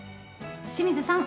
清水さん